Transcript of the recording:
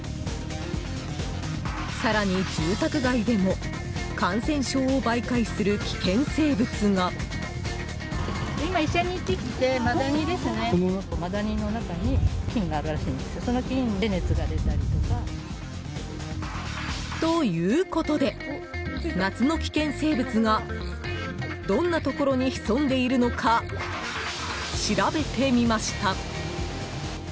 更に、住宅街でも感染症を媒介する危険生物が。ということで、夏の危険生物がどんなところに潜んでいるのか調べてみました。